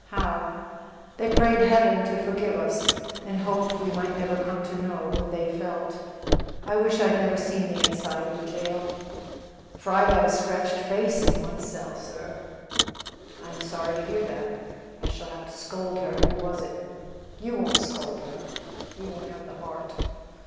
"How?" "They prayed Heaven to forgive us and hoped we might never come to know what they felt. I wish I'd never seen the inside of a jail. Fry got a scratched face in one cell, sir." "I am sorry to hear that. I shall have to scold her; who was it?" "You won't scold her; you won't have the heart."